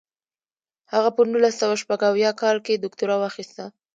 هغه په نولس سوه شپږ اویا کال کې دوکتورا واخیسته.